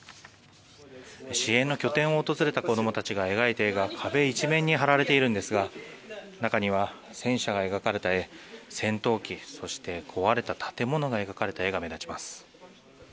支援の拠点を訪れた子どもたちが描いた絵が壁一面に貼られているんですが中には戦車が描かれた絵戦闘機、そして壊れた建物が描かれた絵が目立ちます。